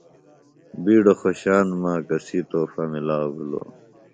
بیڈوۡ خوشان مہ کسی تحفہ مِلاؤ بِھلوۡ